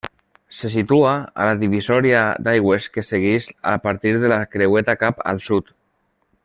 Se situa a la divisòria d'aigües que segueix a partir de la Creueta cap al sud.